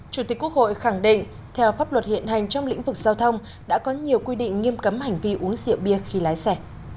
chủ tịch quốc hội khẳng định theo pháp luật hiện hành trong lĩnh vực giao thông đã có nhiều quy định nghiêm cấm hành vi uống rượu bia khi lái xe